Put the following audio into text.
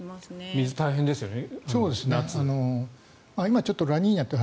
水、大変ですよね。